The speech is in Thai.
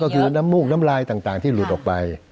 ก็คือน้ำมูกน้ำลายต่างที่หลุดออกไป